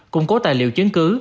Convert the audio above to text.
cung cố tài liệu chứng cứ